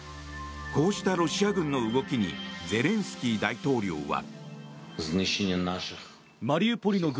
こうしたロシア軍の動きにゼレンスキー大統領は。